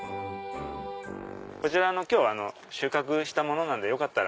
こちら今日収穫したものなんでよかったら。